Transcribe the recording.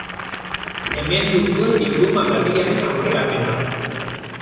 Hemen duzue bilduma berriaren aurrerapena.